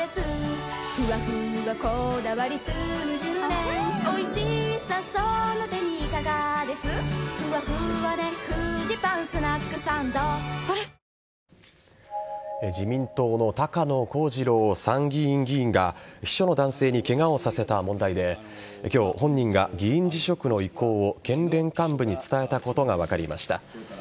今日午前の東京外国為替市場の円相場は自民党の高野光二郎参議院議員が秘書の男性にケガをさせた問題で今日、本人が議員辞職の意向を県連幹部に伝えたことが分かりました。